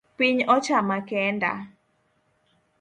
Piny ochama kenda